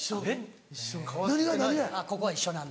・一緒・ここは一緒なんだ。